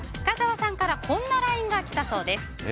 深澤さんからこんなＬＩＮＥが来たそうです。